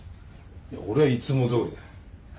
いや俺はいつもどおりだ。